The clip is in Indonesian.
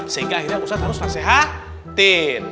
sehingga akhirnya ustadz harus nasehatin